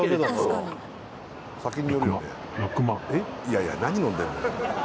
いやいや何飲んでるんだよ。